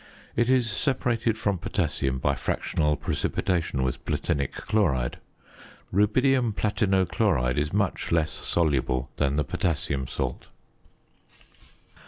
It is separated from potassium by fractional precipitation with platinic chloride. Rubidium platino chloride is much less soluble than the potassium salt.